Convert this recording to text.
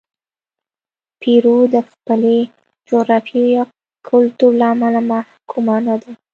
پیرو د خپلې جغرافیې یا کلتور له امله محکومه نه ده.